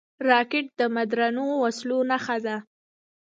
راکټ د مدرنو وسلو نښه ده